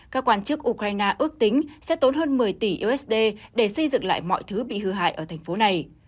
các quan chức ukraine ước tính sẽ tốn hơn một mươi tỷ usd để xây dựng lại mọi thứ bị hư hại ở thành phố này